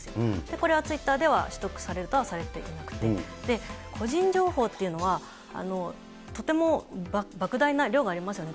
これはツイッターでは取得されるとはされていなくて、個人情報っていうのはとてもばく大な量がありますよね。